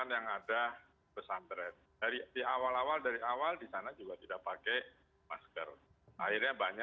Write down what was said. ya insya allah secepatnya